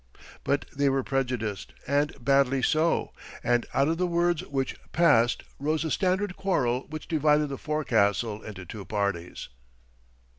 But they were prejudiced, and badly so, and out of the words which passed rose a standing quarrel which divided the forecastle into two parties.